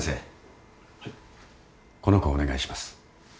この子をお願いします。